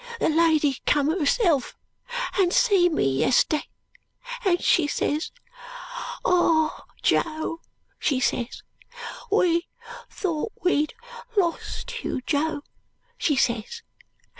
The lady come herself and see me yesday, and she ses, 'Ah, Jo!' she ses. 'We thought we'd lost you, Jo!' she ses.